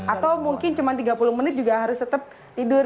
atau mungkin cuma tiga puluh menit juga harus tetap tidur